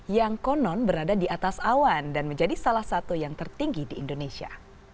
yang konon berada di atas awan dan menjadi salah satu yang tertinggi di indonesia